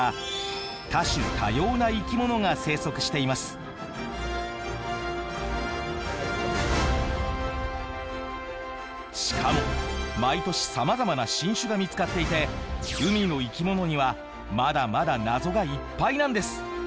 そんな海にはしかも毎年さまざまな新種が見つかっていて海の生き物にはまだまだ謎がいっぱいなんです。